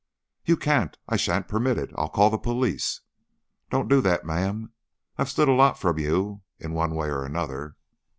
"You can't. I sha'n't permit it. I I'll call the police." "Don't do that, ma'am. I've stood a lot from you, in one way or another."